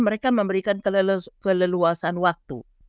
mereka memberikan keleluasan waktu